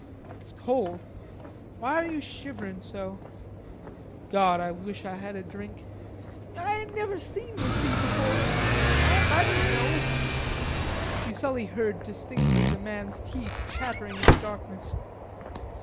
"It's cold. Why are you shiverin' so? God, I wish I had a drink." "I ain't never seen the sea before...I didn't know..." Fuselli heard distinctly the man's teeth chattering in the darkness.